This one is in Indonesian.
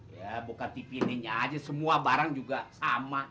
ya bukan tv ini saja semua barangnya juga sama